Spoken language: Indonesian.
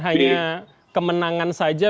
hanya kemenangan saja